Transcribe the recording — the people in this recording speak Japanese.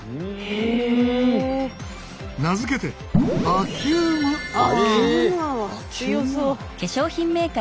名付けてバキューム泡。